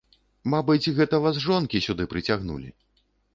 Мабыць, гэта вас жонкі сюды прыцягнулі!